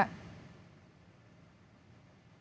putus putus saya nggak dengar